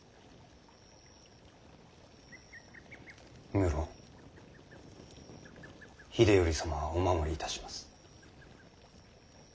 無論秀頼様はお守りいたします。